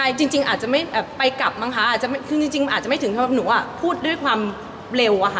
ค่ะจริงอาจจะไม่ไปกลับบ้างค่ะอาจจะไม่ถึงถ้าหนูอ่ะพูดด้วยความเร็วอะค่ะ